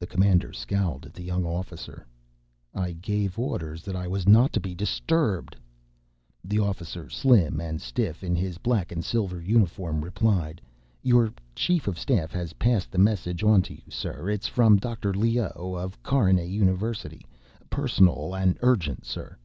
The commander scowled at the young officer. "I gave orders that I was not to be disturbed." The officer, slim and stiff in his black and silver uniform, replied, "Your chief of staff has passed the message on to you, sir. It's from Dr. Leoh, of Carinae University. Personal and urgent, sir."